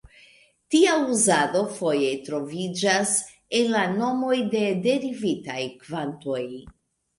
Tia uzado foje troviĝas en la nomoj de derivitaj kvantoj.